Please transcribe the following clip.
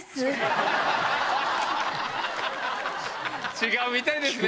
違うみたいですね。